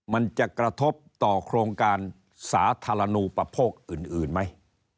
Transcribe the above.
มันจะกระทบต่อโครงการสาธารณูประโภคอื่นไหม